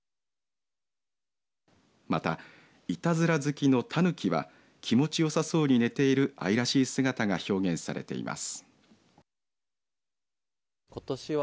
また、いたずら好きのタヌキは気持ちよさそうに寝ている愛らしい姿が表現されています。